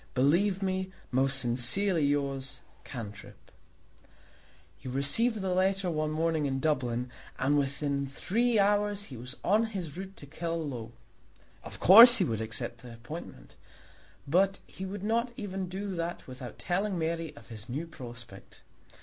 Believe me, Most sincerely yours, CANTRIP. He received the letter one morning in Dublin, and within three hours he was on his route to Killaloe. Of course he would accept the appointment, but he would not even do that without telling Mary of his new prospect.